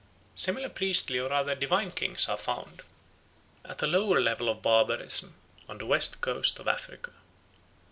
Similar priestly or rather divine kings are found, at a lower level of barbarism, on the west coast of Africa.